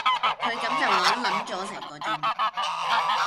佢咁就玩撚咗成個鐘